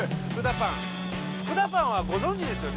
パン福田パンはご存じですよね？